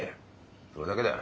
それだけだよ。